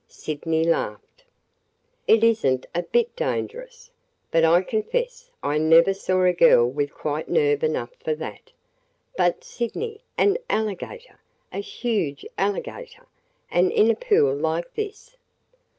Sydney laughed. "It is n't a bit dangerous. But I confess I never saw a girl with quite nerve enough for that!" "But, Sydney, an alligator – a huge alligator – and in a pool like this!"